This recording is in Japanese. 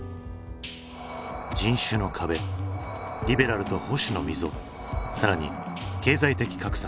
人種の壁リベラルと保守の溝更に経済的格差。